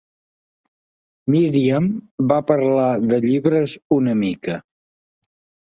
Miriam va parlar de llibres una mica.